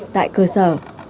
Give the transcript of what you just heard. tại cơ sở